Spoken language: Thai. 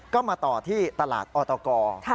ก็มาต่อที่ตลาดออตก